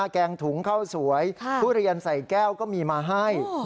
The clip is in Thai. แกงถุงข้าวสวยทุเรียนใส่แก้วก็มีมาให้